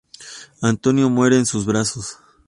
Antonio muere en sus brazos.